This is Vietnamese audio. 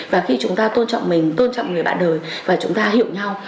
và khi chúng ta tôn trọng mình tôn trọng người bạn đời và chúng ta hiểu nhau